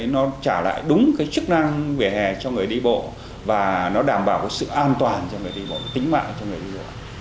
nó trả lại đúng cái chức năng vỉa hè cho người đi bộ và nó đảm bảo sự an toàn cho người đi bộ tính mạng cho người đi nữa